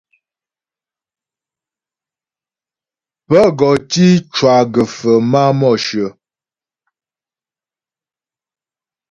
Pə́ gɔ tǐ cwa gə́fə máa Mǒshyə.